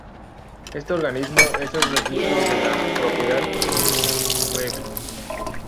Este organismo es el Registro de la Propiedad Inmueble.